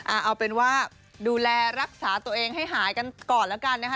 เอาเป็นว่าดูแลรักษาตัวเองให้หายกันก่อนแล้วกันนะคะ